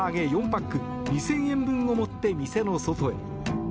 ４パック２０００円分を持って店の外へ。